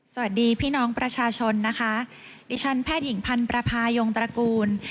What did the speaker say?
สวัสดีพี่น้องประชาชนนะคะดิฉันแพทย์หญิงพันธ์ประพายงตระกูล